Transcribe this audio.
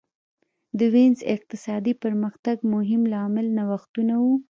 د وینز اقتصادي پرمختګ مهم عامل نوښتونه وو